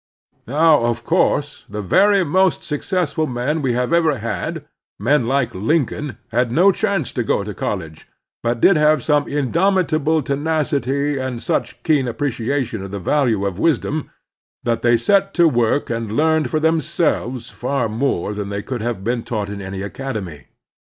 Now, of cotirse, the very most successful men we have ever had, men like Character and Success m Lincoln, had no chance to go to college, but did have such indomitable tenacity and such keen appreciation of the value of wisdom that they set to work and learned for themselves far more than they could have been taught in any academy.